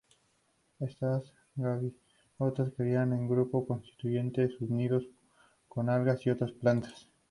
Estas gaviotas crían en grupos y construyen sus nidos con algas y otras plantas.